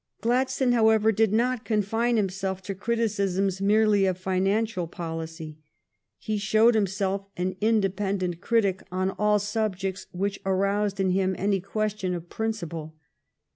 Gladstone, however, did not confine himself to criticisms merely of financial policy. He showed himself an independent critic on all sub jects which aroused in him any question of prin ciple.